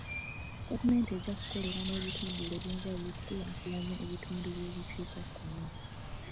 Gavumenti ejja kukolera n'ebitongole eby'enjawulo okukulaakulanya ebitundu by'obukiikakkono.